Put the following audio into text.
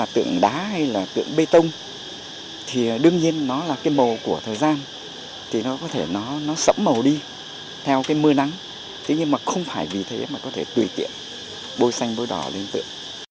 tuy nhiên không phải vì thế mà có thể tùy tiện bôi xanh bôi đỏ lên tượng